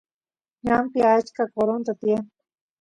ñanpi achka qoronta tiyan